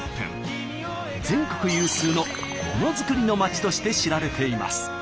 全国有数のものづくりの町として知られています。